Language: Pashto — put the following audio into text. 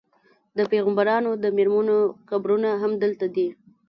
د پیغمبرانو د میرمنو قبرونه هم دلته دي.